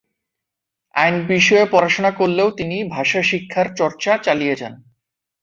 আইন বিষয়ে পড়াশোনা করলেও তিনি ভাষা শিক্ষার চর্চা চালিয়ে যান।